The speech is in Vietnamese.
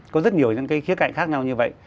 có rất nhiều những cái khía cạnh khác nhau như vậy